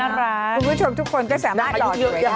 คุณผู้ชมทุกคนก็สามารถรอดอยู่ไว้ได้